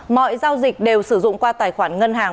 mọi giao dịch đều sử dụng qua tài khoản ngân hàng